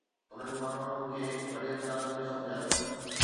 انهن ماڻهن مون کي وڏي انداز ۾ سمجھايو